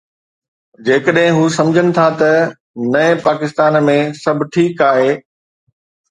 جيڪڏهن هو سمجهن ٿا ته نئين پاڪستان ۾ سڀ ٺيڪ آهي.